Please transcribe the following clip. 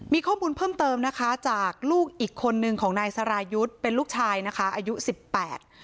มีข้อมูลเพิ่มเติมนะคะจากลูกอีกคนนึงของนายสรายุทธ์เป็นลูกชายนะคะอายุสิบแปด